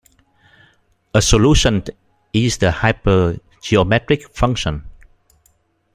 A solution is the hypergeometric function.